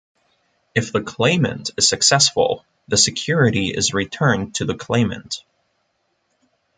If the claimant is successful, the security is returned to the claimant.